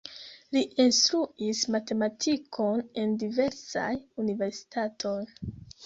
Li instruis matematikon en diversaj universitatoj.